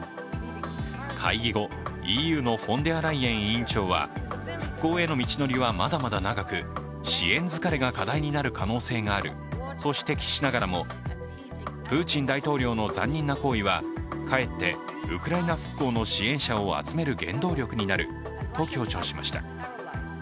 会議後、ＥＵのフォンデアライエン委員長は復興への道のりはまだまだ長く支援疲れが課題になる可能性があると指摘しながらも、プーチン大統領の残忍な行為はかえってウクライナ復興の支援者を集める原動力になると強調しました。